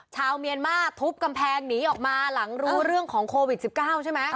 ชาวเมียนมาทุบกำแพงหนีออกมาหลังรู้เรื่องของโควิด๑๙ใช่ไหม